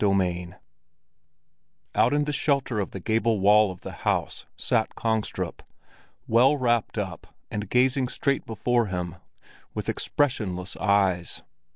XX Out in the shelter of the gable wall of the House sat Kongstrup, well wrapped up, and gazing straight before him with expressionless eyes.